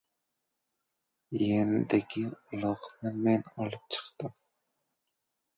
Yendigi uloqni men olib chiqdim.